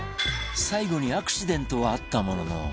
最後にアクシデントはあったものの